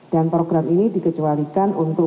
dan program ini dikecualikan untuk